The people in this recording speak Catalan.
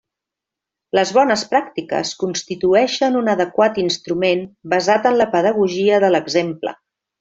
Les «bones pràctiques» constituïxen un adequat instrument basat en la pedagogia de l'exemple.